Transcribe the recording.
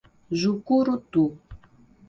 Jucurutu